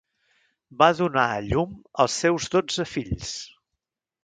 Va donar a llum als seus dotze fills.